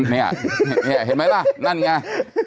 นี่เห็นไหมล่ะนั่นไง